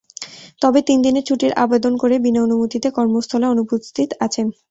তবে তিন দিনের ছুটির আবেদন করে বিনা অনুমতিতে কর্মস্থলে অনুপস্থিত আছেন।